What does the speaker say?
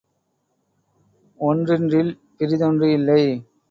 ஒன்றின்றில் பிறிதொன்று இல்லை.